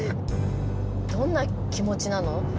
どんな気持ちなの？